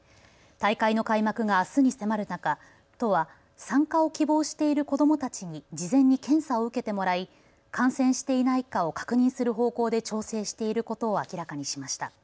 大会の開幕があすに迫る中、都は参加を希望している子どもたちに事前に検査を受けてもらい感染していないかを確認する方向で調整していることを明らかにしました。